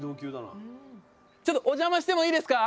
ちょっとお邪魔してもいいですか。